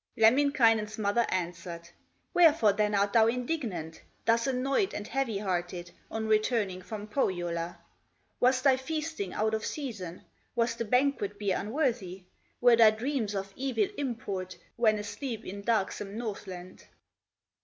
Lemminkainen's mother answered: "Wherefore then are thou indignant, Thus annoyed, and heavy hearted, On returning from Pohyola? Was thy feasting out of season, Was the banquet beer unworthy, Were thy dreams of evil import When asleep in darksome Northland?"